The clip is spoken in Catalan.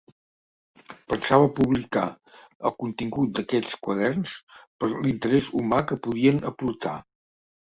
Pensava publicar el contingut d'aquests quaderns per l'interès humà que podien aportar.